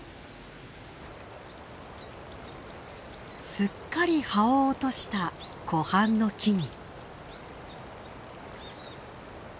すっかり葉を落とした湖畔の木々。